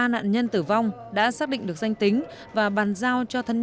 một mươi ba nạn nhân tử vong đã xác định được danh tính và bàn giao cho thân nhân